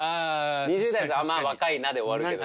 ２０代だと「まあ若いな」で終わるけど。